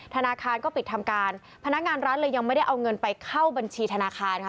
ธนาคารก็ปิดทำการพนักงานร้านเลยยังไม่ได้เอาเงินไปเข้าบัญชีธนาคารค่ะ